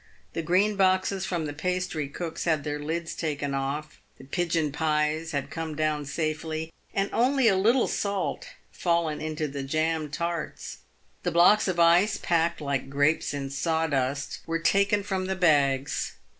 The green boxes from the pastrycooks had their lids taken off. The pigeon pies had come down safely, and only a little salt fallen into the jam tarts. The blocks of ice, packed like grapes in sawdust, were taken from the bags.